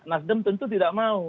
nasdem tentu tidak mau